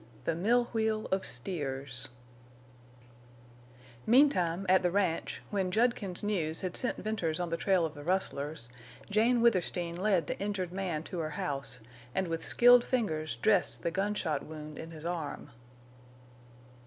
THE MILL WHEEL OF STEERS Meantime, at the ranch, when Judkins's news had sent Venters on the trail of the rustlers, Jane Withersteen led the injured man to her house and with skilled fingers dressed the gunshot wound in his arm.